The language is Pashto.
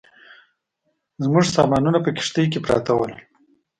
زموږ سامانونه په کښتۍ کې پراته ول.